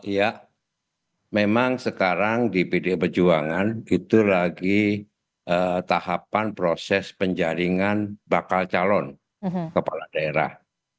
ya memang sekarang di pdi perjuangan itu lagi tahapan proses penjaringan bakal calon kepala daerah